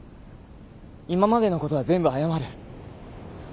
今までのことは全部謝る。